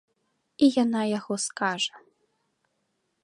І яна яго скажа.